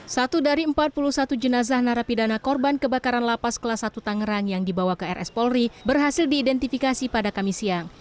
satu dari empat puluh satu jenazah narapidana korban kebakaran lapas kelas satu tangerang yang dibawa ke rs polri berhasil diidentifikasi pada kamis siang